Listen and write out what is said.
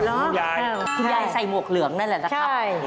คุณยายคุณยายใส่หมวกเหลืองนั่นแหละนะครับ